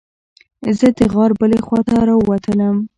زه د غار بلې خوا ته راووتلم.